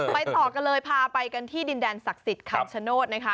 ไปต่อกันเลยพาไปกันที่ดินแดนศักดิ์สิทธิ์คำชโนธนะคะ